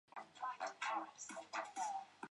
詹姆斯镇附近有詹姆斯河。